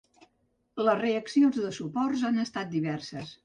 Les reaccions de suports han estat diverses.